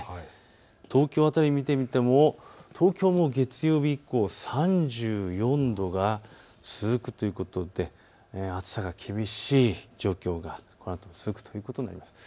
東京辺りを見てみても東京も月曜日以降３４度が続くということで暑さが厳しい状況がこのあとも続くということになります。